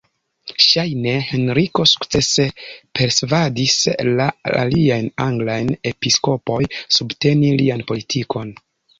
Ŝajne Henriko sukcese persvadis la aliajn anglajn episkopojn subteni lian politikon.